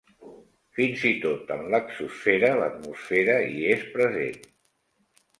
Fins i tot en l'exosfera, l'atmosfera hi és present.